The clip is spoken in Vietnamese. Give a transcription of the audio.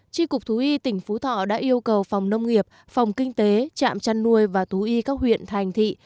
tri cục thú y tỉnh phú thọ đã yêu cầu phòng nông nghiệp phòng kinh tế trạm chăn nuôi và thú y các huyện thành thị